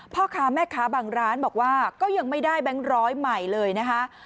พ่อค้าแม่ค้าบางร้านบอกว่าก็ยังไม่ได้แบงค์ร้อยใหม่เลยนะคะ